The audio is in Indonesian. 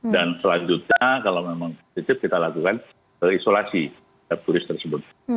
dan selanjutnya kalau memang positif kita lakukan isolasi dari turis tersebut